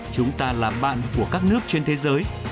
chúng ta là bạn của các nước trên thế giới